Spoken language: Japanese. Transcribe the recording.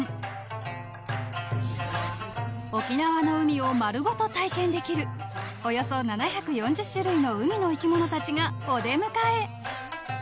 ［沖縄の海を丸ごと体験できるおよそ７４０種類の海の生き物たちがお出迎え］